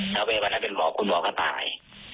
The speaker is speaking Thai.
แต่เวลาเป็นหมอคุณหมอก็ตาย